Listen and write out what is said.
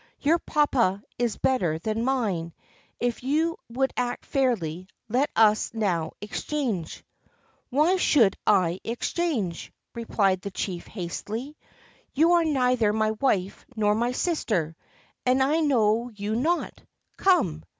"Your papa is better than mine. If you would act fairly, let us now exchange!" "Why should I exchange?" repHed the chief hastily. "You are neither my wife nor my sister, and I know you not. Come!"